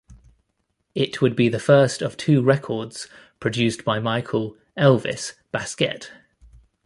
It would be the first of two records produced by Michael "Elvis" Baskette.